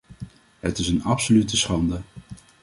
Het is een absolute schande.